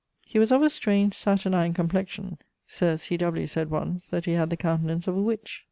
He was of a strange Saturnine complexion. Sir C. W. sayd once, that he had the countenance of a witch.